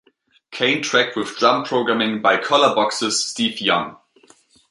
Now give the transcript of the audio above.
Kane track with drum programming by Colourbox's Steve Young.